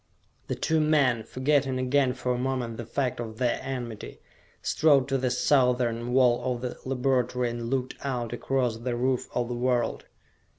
The two men, forgetting again for a moment the fact of their enmity, strode to the southern wall of the laboratory and looked out across the roof of the world.